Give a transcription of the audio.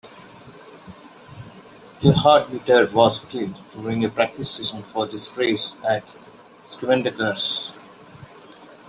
Gerhard Mitter was killed during a practice session for this race at Schwedenkreuz.